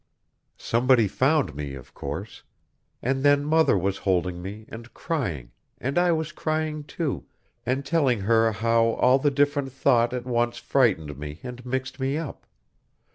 "Somebody found me, of course. And then Mother was holding me and crying and I was crying, too, and telling her how all the different thought at once frightened me and mixed me up.